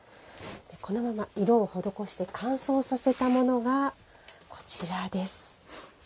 このまま、色を施して乾燥させたものがこちらです。